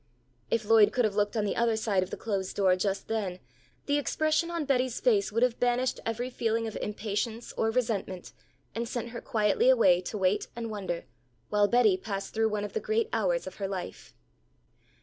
If Lloyd could have looked on the other side of the closed door just then, the expression on Betty's face would have banished every feeling of impatience or resentment, and sent her quietly away to wait and wonder, while Betty passed through one of the great hours of her life.